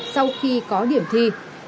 sau khi có điểm thi